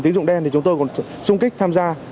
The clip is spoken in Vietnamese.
tí dụng đen thì chúng tôi cũng xung kích tham gia